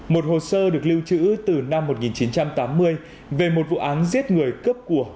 một hồ sơ được lưu trữ từ năm một nghìn chín trăm tám mươi về một vụ án giết người cướp của